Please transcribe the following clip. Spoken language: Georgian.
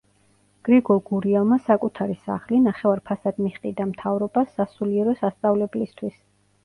გრიგოლ გურიელმა საკუთარი სახლი, ნახევარ ფასად მიჰყიდა მთავრობას სასულიერო სასწავლებლისთვის.